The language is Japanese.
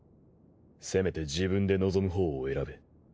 せめて自分で望む方を選べ。